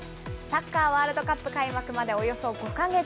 サッカーワールドカップ開幕までおよそ５か月。